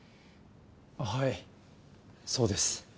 あはいそうです。